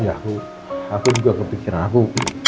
ya aku juga kepikiran aku